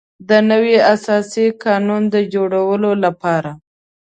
د نوي اساسي قانون د جوړولو لپاره.